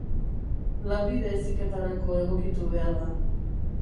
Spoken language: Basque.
Lanbide Heziketarako egokitu behar da.